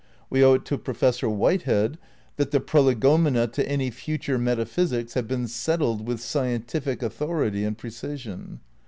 We owe it to Professor Whitehead that the Prolegom ena to any future metaphysics have been settled with scientific authority and precision.